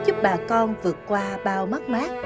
giúp bà con vượt qua bao mắc mát